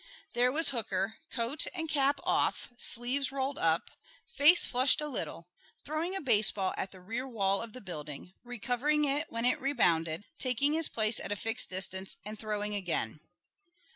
There was Hooker, coat and cap off, sleeves rolled up, face flushed a little, throwing a baseball at the rear wall of the building, recovering it when it rebounded, taking his place at a fixed distance, and throwing again.